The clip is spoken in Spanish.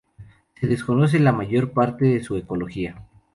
Se desconoce la mayor parte de su ecología.